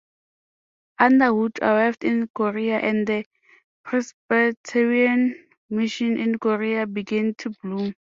Underwood arrived in Korea and the Presbyterian mission in Korea began to bloom.